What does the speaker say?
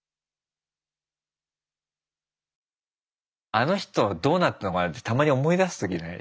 あの人どうなったのかなってたまに思い出す時ない？